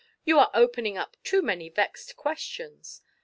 "You are opening up too many vexed questions.